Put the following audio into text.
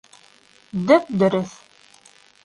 Дөп-дөрөҫ!